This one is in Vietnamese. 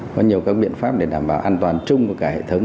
có nhiều các biện pháp để đảm bảo an toàn chung của các ngành chức năng